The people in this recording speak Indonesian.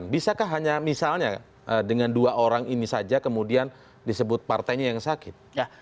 bisakah hanya misalnya dengan dua orang ini saja kemudian disebut partainya yang sakit